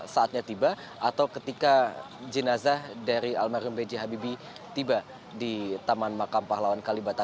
saatnya tiba atau ketika jenazah dari almarhum b j habibie tiba di taman makam pahlawan kalibata